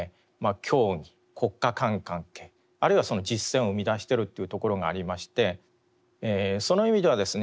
教義国家間関係あるいはその実践を生みだしているというところがありましてその意味ではですね